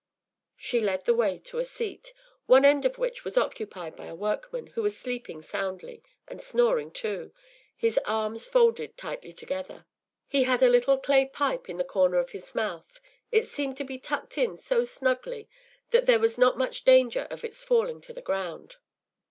” She led the way to a seat, one end of which was occupied by a workman, who was sleeping soundly, and snoring too, his arms folded tightly together. He had a little clay pipe in the corner of his mouth; it seemed to be tucked in so snugly that there was not much danger of its falling to the ground.